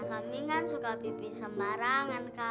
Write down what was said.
kambing kan suka pipis sembarangan kak